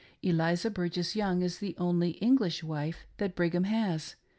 ] Eliza Burgess Young is the only English wife that Brighatn has.